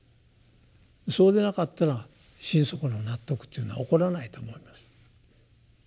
そうでなかったら心底の納得というのは起こらないと思います。